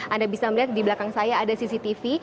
anda bisa melihat di belakang saya ada cctv